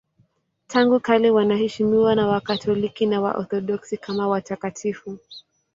Tangu kale wanaheshimiwa na Wakatoliki na Waorthodoksi kama watakatifu.